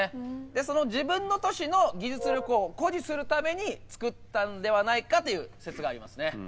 自分の都市の技術力を誇示するために作ったんではないかという説がありますね。